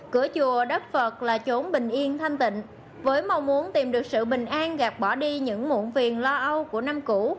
cửa chùa đắc phật là chốn bình yên thanh tịnh với mong muốn tìm được sự bình an gạt bỏ đi những muộn phiền lo âu của năm cũ